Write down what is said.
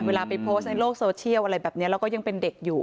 ไปโพสต์ในโลกโซเชียลอะไรแบบนี้เราก็ยังเป็นเด็กอยู่